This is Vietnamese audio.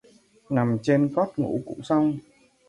Nằm trên cót ngủ cũng xong